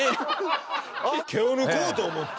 毛を抜こうと思って。